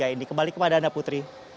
ini kembali kepada anda putri